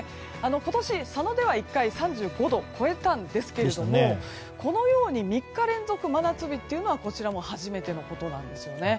今年、佐野では１回、３５度を超えたんですがこのように３日連続真夏日というのはこちらも初めてのことなんですよね。